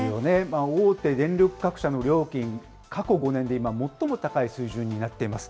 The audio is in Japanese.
大手電力各社の料金、過去５年で今、最も高い水準になっています。